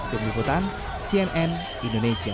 penyumbutan cnn indonesia